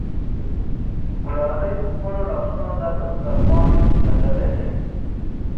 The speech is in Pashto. ګلالۍ په خپلو لاسونو دا دسترخوان ګنډلی دی.